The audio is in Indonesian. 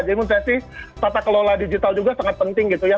jadi menurut saya sih tata kelola digital juga sangat penting gitu ya